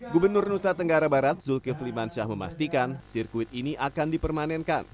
gubernur nusa tenggara barat zulkifli mansyah memastikan sirkuit ini akan dipermanenkan